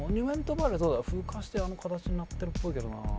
風化してあの形になってるっぽいけどな。